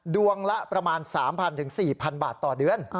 ดวงละประมาณ๓๐๐๔๐๐บาทต่อเดือน